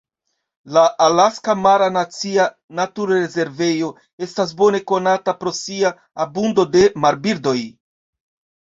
La Alaska Mara Nacia Naturrezervejo estas bone konata pro sia abundo de marbirdoj.